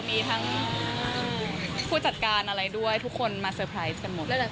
มีทั้งผู้จัดการอะไรด้วยทุกคนมาเซอร์ไพรส์กันหมด